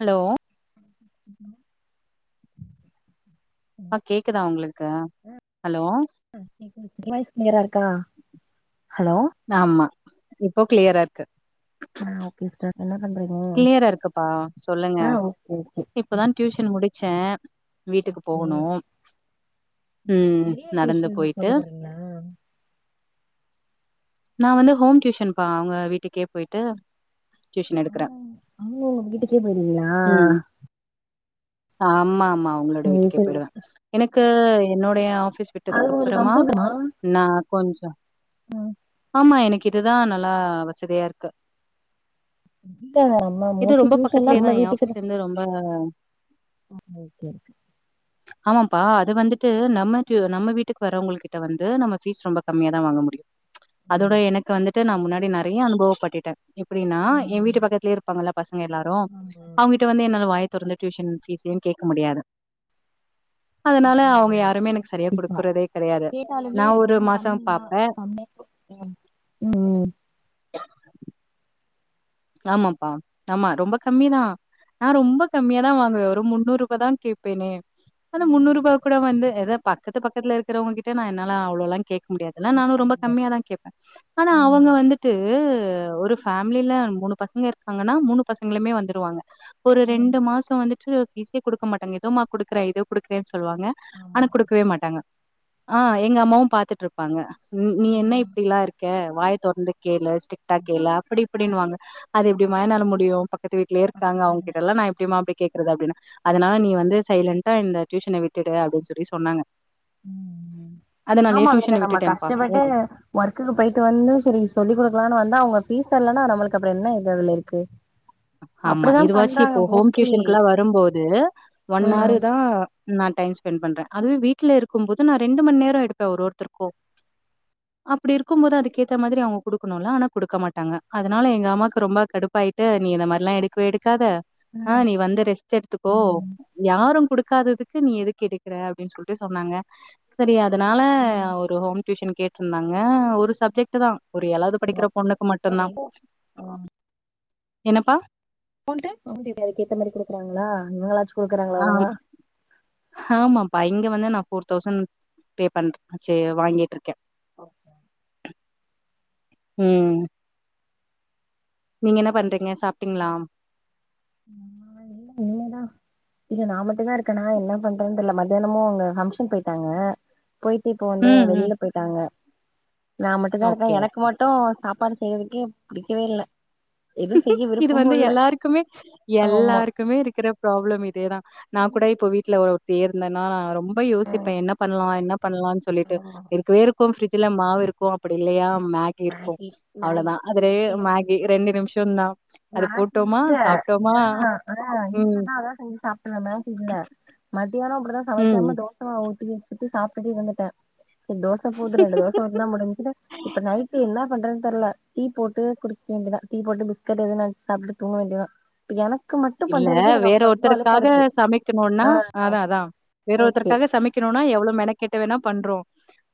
Hello ம் ஆ hello கேக்குதா உங்களுக்கு ஹலோ ஆ கேக்குது எ வாய்ஸ் க்ளியரா இருக்கா ஹலோ ஆமா இப்போ க்ளியரா இருக்கு ஆ ஓகே ஸ்டர் என்ன பண்றீங்க க்ளியரா இருக்குப்பா சொல்லுங்க ஆ ஓகே ஓகே இப்பதா டியூஷன் முடிச்சே வீட்டுக்கு போகணு ம் நிறைய நடந்து டியூஷன் போயிட்டு சொல்லி தர்றீங்களா நா வந்து ஹோம் டியூஷன் பா அவுங்க வீட்டுக்கே போயிட்டு டியூஷன் எடுக்குறே அவுங்கவுஙக வீட்டுக்கே போறீகளா ஆமாம்மா அவுங்களோட சரி வீட்டுக்கே சரி போயிடுவே எனக்கு என்னுடைய ஆஃபீஸ் அது விட்டதுக்கு உங்களுக்கு அப்பறமா கம்ஃபர்டபுளா நா கொஞ்சோ ஆமா எனக்கு இதுதா நல்லா வசதியா இருக்கு இல்ல நம்ம இது மோஸ்ட்லி ரொம்ப டியூஷன்னா பக்கத்துலயேதா நம்ம எ வீட்டுக்குதா ஆஃபீஸ்ல இருந்து ரொம்ப ஆ ஓகே ஓகே ஆமாப்பா அது வந்துட்டு நம்மட்டு நம்ம வீட்டுக்கு வர்றவங்க கிட்ட வந்து நம்ம ஃபீஸ் ரொம்ப கம்மியா தா வாங்க முடியு அதோட இல்ல எனக்கு வந்துட்டு நா முன்னாடி நெறைய அனுபவ பட்டுட்டே எப்டின்னா ஆ ஏ வீட்டு பக்கத்துலயே இருப்பாங்கல்ல பசங்க எல்லாரு ஆமா அவங்கிட்ட வந்து என்னால வாய தொறந்துட் டியூஷன் ஃபீஸையு கேட்க முடியாது அதுனால கேட்க அவுங்க முடியாது எனக்கு சரியா கண்டிப்பா குடுக்குறதே கெடையாது நா மாசோ பாப்பே ம் ம் ம் ஆமாப்பா ஆமா ரொம்ப கம்மிதா நா ரொம்ப கம்மியா தா வாங்குவே ஒரு முன்னூறு ரூபா தா கேப்பேனே அந்த முன்னூறு ம் ரூபா கூட வந்து ஏதோ பக்கத்து பக்கத்துல இருக்குறவங்க நா அவ்ளோல்லா கேக் முடியாதுல்ல கேட்க நானு ரொம்ப முடியாது கம்மியாதா கேட்பே ஆனா ம் அவுங்க வந்துட்டு ஒரு ஃபேமில மூணு பசங்க இருக்காங்கன்னா மூணு பசங்களுமே வந்துருவாங்க ஒரு ம் ரெண்டு மாசோ வந்துட்டு ஃபீஸே குடுக்க மாட்டாங்க இதோம்மா குடுக்குறே இதோ குடுக்குறேன்னு சொல்வாங்க ஆனா ஆமா குடுக்கவே மாட்டாங்க ஆ எங்க அம்மாவு பாத்துட்டு இருப்பாங்க நீ என்ன ம் இப்டில்லா இருக்க வாய தொறந்து கேளு ஸ்ட்ரிக்ட்டா ம் கேளு அப்டி இப்டின்னுவாங்க அது எப்படிமாயன்னால முடியு பக்கத்து வீட்லயே இருக்காங்க அப்டிதாங்க அவங்ககிட்டல்லா நா எப்டிமா அப்டி கேக்குறது அப்டின்னு அதுனால நீ வந்து சைலண்டா இந்த டியூசன விட்டுடு அப்டின் சொல்லி சொன்னாங்க ம் ம் அதனாலயே ஆமா வேறு டியூஷன நம்ம விட்டுட்டேன்ப்பா கஷ்டப்பட்டு ம் ஒர்க்குக்கு போயிட்டு வந்து சரி சொல்லி கொடுக்கலான்னு வந்தா அவுங்க பீஸ் இல்லன்னா நம்மளுக்கு அப்புற என்ன இ இருக்கு ஆமா அப்டிதா இது வாச்சு பண்றாங்க இப்போ ஹோம் மோஸ்ட்லி டியூஷனக்‌கெல்லா வரும்போது ஒன் ஆரு ம் தா நா டைம் ஸ்பெண்ட் பண்றே அதுவே வீட்ல இருக்குபோது நா ரெண்டு மணி நேரோ எடுப்ப ஒரு ஒருத்தர்க்கு அப்டி இருக்கும் போது அதுக்கேத்த மாரி அவ்ங்க குடுக்குணு இல்ல ஆனா குடுக்க மாட்டாங்க அதனால எங்க அம்மாவுக்கு ரொம்ப கடுப்பாயிட்டு நீ இத மாரில்லா எடுக்கவே எடுக்காத ஆ ம் நீ வந்து ரெஸ்ட் எடு த்துக்கோ யாரு குடுக்காததுக்கு நீ எதுகு எடுக்கற அப்டின்னு சொல்லிட்டு சொன்னாங்க சரியா அதனால ம் ஒரு ஹோம் டியூஷன் கேட்டிருந்தாங்க ஒரு சப்ஜெட் தா ஒரு ஏலாது படிக்கிற பொண்ணுக்கு மட்டுந்தா ஓகே அ என்னப்பா [unintelligible] அ ஏத்த மாரி குடுக்குறாங்களா குடுக்குறாங்களா ஆம் ஒழுங்கா ஆமாப்பா இங்க வந்து நா போஃபர் தௌசண்ட் பே பண்றே செ வாங்கிட்டுருக்கே ஓகே ம் நீங்க என்ன பண்றீங்க சாப்டீங்ளா இன்னு இல்ல இனிமே தா இல்ல நா மட்டு தா இருக்கேனா என்ன பண்றதுனு தெர்ல மத்தியானமு அவ்ங்க ஃபங்க்ஷன் போயிட்டாங்க போயிட்டு இப்ப வந்து ம், ம். வெளியில போயிட்டாங்க நா மட்டு தா இருக்கே ஓகே. எனக்கு மட் ட்டு சாப்பாடு செய்றதுக்கே புடிக்கவே இல்ல எதுவு செய்ய இது விருப்பமு வந்து இல்ல எல்லாருக்குமே ஆமா எல்லாருக்குமே இருக்கிற ப்ராப்ளம் இதேதா நா கூட இப்போ வீட்ல ஒ ஒருத்தியா இருந்தேன்னா நா ரொம்ப ம் யோசிப்பே என்ன பண்ணலா என்ன பண்ணலானு சொல்லிட்டு ஆமா இருக்கவே இருக்கு பிரிஜ்ல மாவு இருக்கு அப்டி இல்லையா மேக் இருக்கு மேகி மேகி அவ்ளோதா அது ரெ இ- இ- மேகி ரெண்டு நிம்ஷோ தா மேகி இல்ல [inaudible] ம், இருந்தனா அதா செஞ்சு சாப்ட்ருவே மேகி இல்ல மத்தியானோ அப்டிதா ம். சமைக்காம தோச மாவு ஊத்தி வச்சுட்டு சாப்ட்டுட்டு இருந்துட்ட சரி தோச அப்ப போதுர [unintelligible] எல்லா முடிஞ்சுது இப்ப நைட் என்ன பண்றதுனு தெர்ல டீ போட்டு குடிச்ச வேண்டிதா டீ போட்டு பிஸ் பிஸ்கட் எதுன அப்டி சாப்டுட்டு தூங்க வேண்டியதா எனக்கு மட்டு இல்ல பண்றதுக்கே எனக்கு வேற அவ்ளோ அவ்ளோ அலுப்பா ஒருத்தருக்காக இருக்கு சமைக்கணுன்னா ஆ அதா அதா வேற ஓகே ஒருதற்காக சமைக் கணுன்னா எவ்ளோ மெனக்கேட்ட வேணா பண்றோ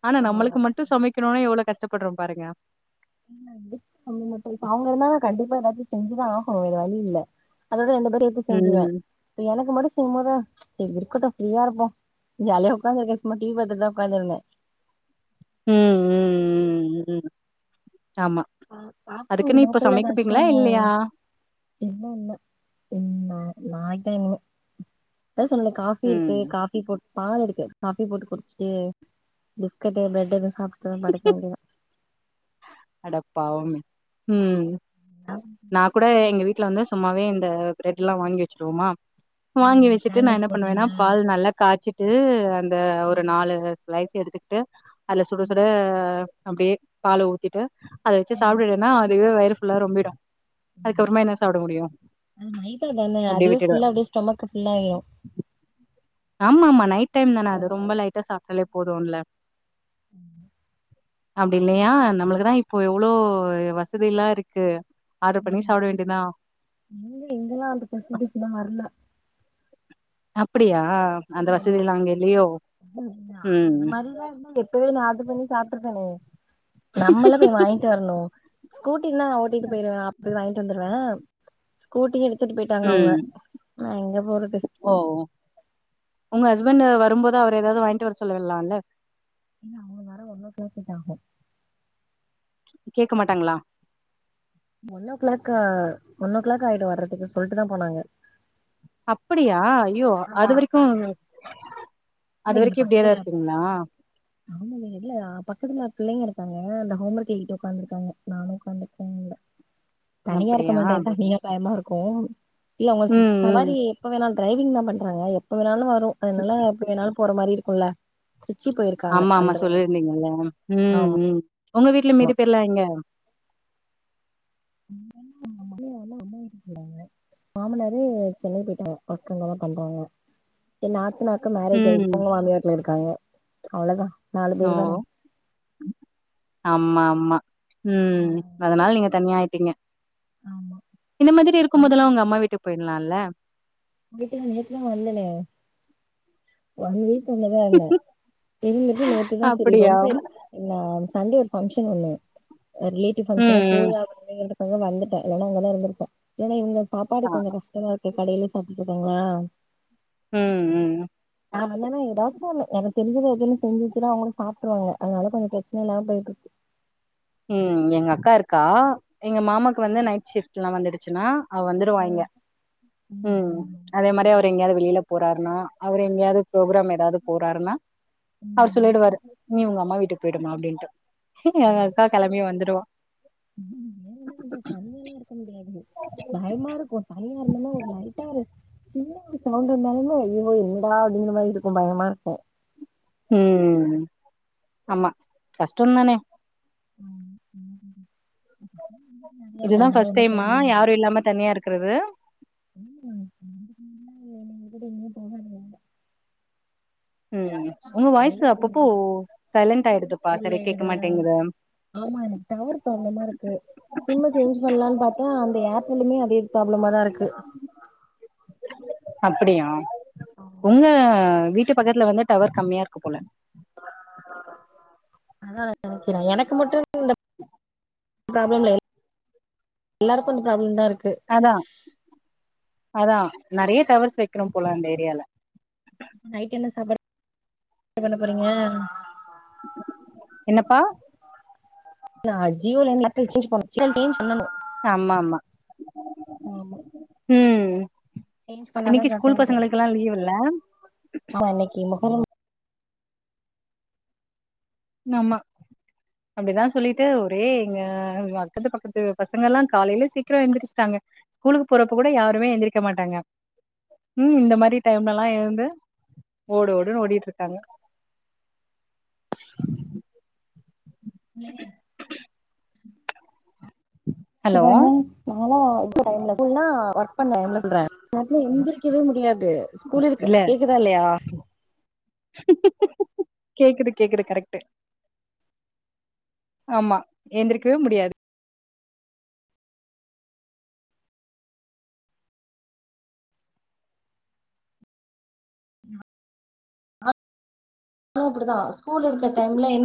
ஆனா ஆமா நம்மளுக்கு மட்டு சமைக்கணும்னா எவ்ளோ கஷ்டப்பட்றோ பாருங்க அவ்ங்க இருந்தா கண்டிப்பா ஏதாச்சு செஞ்சுதா ஆகணு வேற வழி இல்ல அதோட எந்த பேரு எப்டி ம், செஞ்சிவே ம், இப்ப எனக்கு மட்டு செய்யும்போத இருக்கட்டு ஃப்ரீயா இருப்போ ஜாலியா ஒக்காந்ததுருகே சும்மா டிவி பாத்துட்டு தா உக்காந்து இருந்த ம் ம் ம் ம் ஆமா பா பாக்கணு அதுக்குனு இப்ப லோக்கல்ல ஏதாச்சு சமைக்கப்பேறிங்களா இல்லையா இன்னு இல்ல [unintelligible] நாய்க்தா இனிமே அதா சொல்றல காபி இருக்கு ம். காபி போ பால் இருக்கு காபி போட்டு குடிச்சுட்டு பிஸ்கட் பிரெட் எதுவு சாப்ட்டுட்டு படுக்க வேண்டியதா அட பாவமே ம் நா கூட எங்க வீட் வீட்ல வந்து சும்மாவே இந்த பிரெட்ல்லா வாங்கி வச்சுருவோமா வாங்கி வச்சிட்டு நா சாண்ட்விச் என்ன பண்ணுவேன்னா போட்றீங்களா பால் நல்லா காச்சிட்டு அந்த ஒரு ம் நாலு ஸ்லைஸ் எடுத்துக்ட்டு அதுல சுட சுட அப்டியே பால ஊத்திட்டு அத வச்சு ம் சாப்டுனுன்னா அதுவே வயிரு புல்லா ரொம்பிடு ம் ஆமா அதுக்கப்புறமா என்ன சாபட முடியு அப்டியே விட்டுருவே ஸ் டொமக்கு புல் ஆயிரு ஆமா மா நைட் டைம் தான அது ரொம்ப லைட்டா சாப்ட்டாலே போதுன்ல ம் அப்டி இல்லயா நம்மளுக்குதா இப்போ இவ்ளோ வசதி எல்லா இருக்கு ஆட்ரு பன்னி சாப்ட வேண்டியதா நீங்க எங்கெல்லா அந்த பிரசந்திக்குன்னா வர்ல அப்டியா அந்த வசதிலா அங்கில்லயோ மரினாஇருந்தா எப்வே நா ஆஞாரு பண்ணி சாப்ட்டுருக்கேனே நம்மல்லா போய் வாங்கிட்டு வரணு ஸ்கூட்டில்லா ஓட்டிட்டு போயிருவே அப்டி வாங்கிட்டு வந்துருவே ஸ்கூட்டிய எடுத்துட்டு போயிட்டாங்க அவுங்க ஆ எங்க போறது ஓ ஓ உங்க ஹஸ்பண்ட் வரும்போது அவரு எதாவுது வாங்கிட்டு வர சொல்லிலால்ல ஏன்னா அவுக வேர ஒன்ன பேத்துட்டாகோ கேக்க மாட்டாங்களா one o'clock one o'clock ஆயிடு வர்றதுக்கு சொல்ட்டு தா போனாங்க அப்புடியா ஐயோ அது வரைக்கு இல்லேங் இங்க பக்கத்துல ஆமால இல்ல பக்கத்துல பிள்ளைங்க இருக்காங்க அந்த ஹோம் ஒர்க் எய்திட்டு உக்காந்துருக்காங்க நானு உக்காந்துருக்கே வுல்ல தனியா இருக்க அப்படியா? மாட்டே தனியா பயமா இருக்கு இல்ல ம், அவ்ங்களுக் சவாரி ம். இப்ப வேணா டிரரைவிங் தா பண்றங்க எப்ப வேணாலு வரு அதுனால எப்ப வேணாலு போற மாரி இருக்குல்ல சுச்சி பேயிரு ஆமா ஆமா சொல்லிருந்தீங்கல்ல ஆமா ம் ம் உங்க வீட்டுல மீதி பேரிலா எங்க [inaudible] அம்மையானா அம்மாவீட்டு போறாங்க மாமனாரே சென்னை பேயிட்டாங்க ஒர்க் அங்கதா பண்றாங்க எ நாத்தனார்க்கு மேரேஜ் ம். ஆயிருச்சு அவுங்க மாமியா வூட்டுல இருக்காங்க அவ்ளதா நாலு ஓ! பேரு தான ஆமா ஆமா ஆ ம் அதனால நீங்க தனியாயிட்டீங்க ஆமா இந்த மாதிரி இருக்கும் அன் போதெல்லா உங்க அம்மா வீட்டுக்கு போயிட்லால்ல வீட்டுக்கு நேத்துலா வந்தனே ஒன் வீக் ஒண்ணதா இருந்த இருந்துட்டு நேத்துதா செரி அப்படியா? ரொம்ப எர்ச் இல்ல சண்டே ஒரு பங்க்ஷன் ஒண்ணு ரிலேட்டிவ் பங்ஷனா ம், ம். போய் அங் எடுத் தாங்க வந்துட்டே இல்லனா அங்கதா இருந்துருப்போ ஏன்னா இவுங்க சாப்பாடு ஆ. கொஞ்சோ கஷ்டமா இருக்கு கடையிலே அப்டிசொல்றாங்கலாவ் உ உ உ ஆமா இல்லனா ஏதாவுச்சு ஒன்னு எனக்கு தெரிஞ்சத எதுன்னு செஞ்சு ச்சுனா அவுங்களே சாப்ட்ருவாங்க அதனால கொஞ்சோ பிரச்சன இல்லாம போய்ட்டு இருக்கு ம் எங்க அக்கா இருக்கா எங்க மாமாக்கு வந்து நைட் ஷிஃப்ட் எல்லா வந்துடுச்சுன்னா அ வந்துருவா இங்க ம் அதே மாரி அவரு எங்கயாவது வெளியில போறாருன்னா அவரு எங்கயாவது ப்ரோக்ராம் ஏதாவ்து போறாருன்னா அவரு ம் சொல்லிடுவாரு நீ உங்க அம்மா வீட்டுக்கு பேயிடுமா அப்டின்ட்டு ம் எங்க அக்கா கெளம்பி வந்துருவா ம் வேலல பன்றத் தண்ணி லா இருக் ப முடியாது பயமா இருக்கு ஒரு பனியா இருந்தன்னா ஒரு லைட்டா இர் இன்னு ஒரு சவுண்ட் வந்தாலுமே ஐயோயோ என்னடா அப்டிங்கிற மாரி இருக்கு பயமா இருக்கு ம் அஆமா கஷ்டந்தானே [inaudible] நறையா இருக்கு இதுதா அதனால ஃபஸ்ட் ஒன்னும் டைம்மா ப்ராப்ளம் யாரு இல்லாம தனியா இருக்கறது இல்ல கூட எங்கயு போகாதுங்க ம் உங்க வாய்ஸ் நறைய அப்பப்போ சைலண்ட் ஆயிடுதுப்பா ஸ்கூல்ல சரியா கேக்க எடுங்க மாட்டேங்குது ஆமா டவர் ப்ராப்ளமா இருக்கு சிம்ம சேஞ்ச் பண்ணலானு பாத்தா அந்த ஏர்டெல்லுமே அதே ப்ராப்ளமா தா இருக்கு அப்படியா ஒங்க வீட்டுப் பக்கத்துல வந்து டவர் கம்யா இருக்கு போல அதா நெனைக்கிறே எனக்கு மட்டு இந்த ப்ராப்ளம் இல்ல எல்லாருக்கு இந்த ப்ராப்ளம் தா இருக்கு அதா அதா நெறைய டவர்ஸ் வெக்கினு போலா அந்த ஏரியால நைட் என்ன சாப்பாடு [inaudible] பண்ண போறீங்க என்னப்பா நா ஜியோலருந்து [inaudible] பண்ணணு ஆமாமா ஆமா ம் சேஞ்ச் பண்ணாதா இன்னைக்கு கரெக்டா ஸ்கூல் பசங்களுக்கெலா லீவ் இல்ல நாளைக்கி மொஹரம் ஆமா அப்டிதா சொல்லீட்டு ஒரே எங்க அக்கத்து பக்கத்து பசங்கல்லா காலைலே சீக்கிரோ எழுந்திர்ச்சிட்டாங்க ஸ்கூலு போறப்ப கூட யாருமே எந்திரிக்க மாட்டாங்க ம் இந்த மாதிரி டைம்லலா எழுந்து ஓடு ஓடுன்னு ஓடிட்ருக்காங்க ஹலோ ப்ப [inaudible] நாலா [inaudible] டைம்ல [inaudible] ஒர்க் பண்ண [inaudible] காலைல எந்திரிக்கவே முடியாது ஸ்கூல் இருக்கு இல்ல கேக்குதா இல்லையா கேக்குது கேக்குது கரெக்ட்டு ஆமா ஏந்திரிக்கவே முடியாது னு அப்படிதா ஸ்கூல் இருக்க டைம்ல